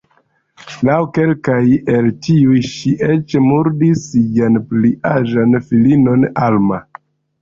Laŭ kelkaj el tiuj ŝi eĉ murdis sian pli aĝan filinon Alma.